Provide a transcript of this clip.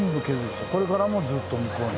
これからもずっと向こうに。